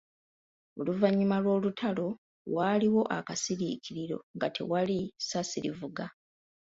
Oluvannyuma lw'olutalo waaliwo akasiriikiriro nga tewali ssasi livuga.